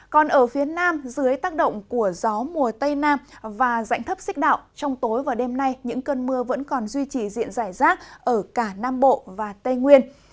còn ở phía nam dưới tác động của gió mùa tây nam và dạnh thấp xích đạo trong tối và đêm nay những cơn mưa vẫn còn duy trì diện giải rác ở cả nam bộ và tây nguyên